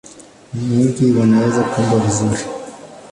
Wengi wanaweza kuimba vizuri sana.